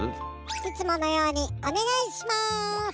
いつものようにおねがいしまーす。